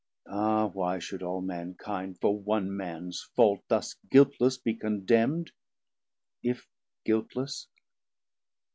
Ah, why should all mankind For one mans fault thus guiltless be condemn'd, If guiltless?